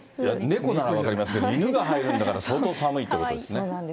猫なら分かりますけど、犬が入るんだから相当寒いということですね。